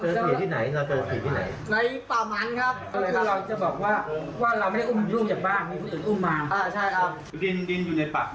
ผมไม่รู้เลยครับอันนี้ผมไม่รู้เรื่องเลย